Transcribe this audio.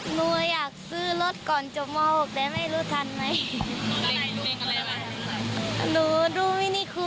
หนูอยากซื้อรถก่อนจบม๖แต่ไม่รู้ทันไหม